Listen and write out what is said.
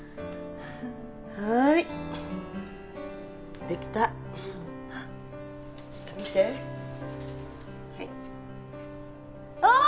はーいできたちょっと見てはいあーっ